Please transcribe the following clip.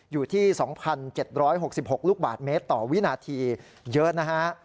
อยู่ที่๒๗๖๖ลูกบาทเมตรต่อวินาทีเยอะนะฮะ